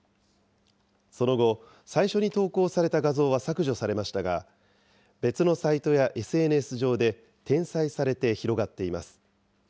その後、最初に投稿された画像は削除されましたが、別のサイトやＳＮＳ上で、転載されて広がっています。